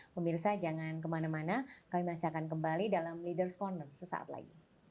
pemirsa jangan kemana mana kami masih akan kembali dalam leaders' corner sesaat lagi